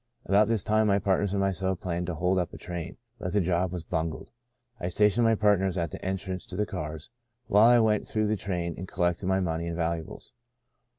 " About this time my partners and myself planned to hold up a train, but the job was bungled. I stationed my partners at the entrance to the cars while I went through the train and collected the money and valuables.